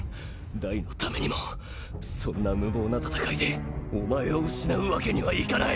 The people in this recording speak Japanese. ダイのためにもそんな無謀な戦いでお前を失うわけにはいかない！